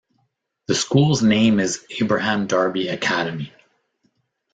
The school's name is Abraham Darby Academy.